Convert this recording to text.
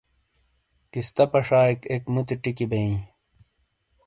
کِستہ پشائیک اک مُتی ٹِیکی بئییں ۔